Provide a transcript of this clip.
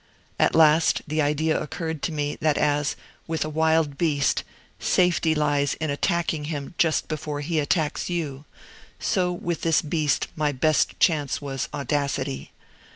At last the idea occurred to me, that as, with a wild beast, safety lies in attacking him just before he attacks you, so with this beast my best chance was audacity.